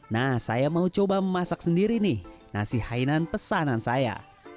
nah saya mau coba memasak sendiri nih nasi hainan pesanan saya